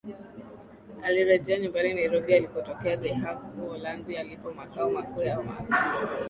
alirejea nyumbani nairobi akitokea the haque uholanzi yalipo makao makuu ya mahakama